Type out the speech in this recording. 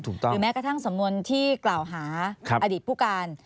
หรือแม้กระทั่งสำนวนที่กล่าวหาอดีตผู้การ